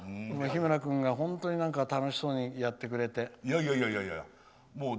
日村君が本当に楽しそうにやってくれて。